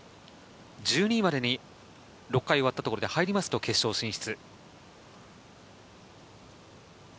１２位までに６回終わったところに入ると決勝進出。